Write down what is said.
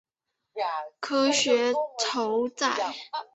科学酬载